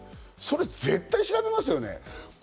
それ絶対調べますよね。